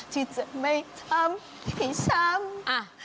ที่จะไม่ทำผิดช้ำ